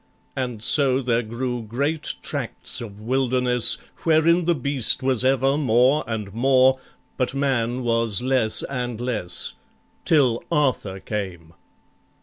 And so there grew great tracts of wilderness, Wherein the beast was ever more and more, But man was less and less, till Arthur came.